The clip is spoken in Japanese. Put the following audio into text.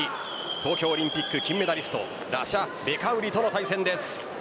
東京オリンピック金メダリストラシャ・ベカウリとの対戦です。